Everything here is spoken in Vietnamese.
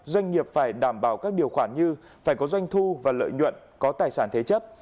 doanh nghiệp phải đảm bảo các điều khoản như phải có doanh thu và lợi nhuận có tài sản thế chấp